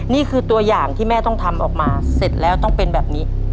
นี่คือตัวอย่างที่แม่ต้องทำออกมาเสร็จแล้วต้องเป็นแบบนี้